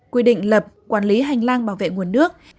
quy định lập quản lý hành lang bảo vệ nguồn nước